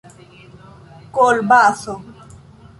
kolbaso